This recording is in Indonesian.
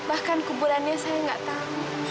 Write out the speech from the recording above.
bahkan kuburannya saya nggak tahu